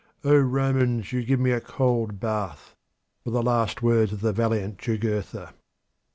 "O Romans, you give me a cold bath!" were the last words of the valiant Jugurtha.